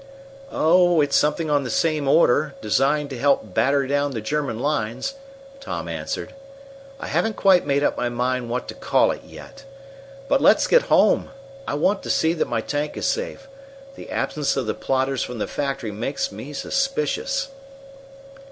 "Oh, it's something on the same order, designed to help batter down the German lines," Tom answered. "I haven't quite made up my mind what to call it yet. But let's get home. I want to see that my tank is safe. The absence of the plotters from the factory makes me suspicious."